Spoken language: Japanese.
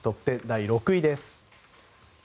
第６位です。